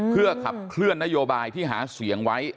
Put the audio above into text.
เพื่อขับเคลื่อนนโยบายที่หาเสียงไว้